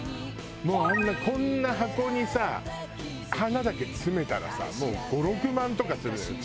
もうあんなこんな箱にさ花だけ詰めたらさもう５６万とかするのよ。